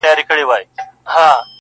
یو پاچاوو د فقیر پر لور مین سو-